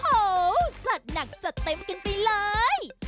โอ้โหสัตว์หนักสัตว์เต็มกันไปเลย